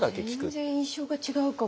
全然印象が違うかも。